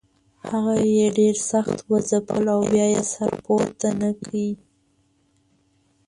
هغه یې ډېر سخت وځپل او بیا یې سر پورته نه کړ.